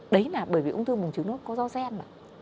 đấy là bởi vì ung thư bùng trứng nó có do xen mà